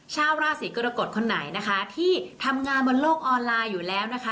ชาวราศีกรกฎคนไหนนะคะที่ทำงานบนโลกออนไลน์อยู่แล้วนะคะ